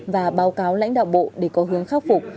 và báo cáo lãnh đạo bộ để có hướng khắc phục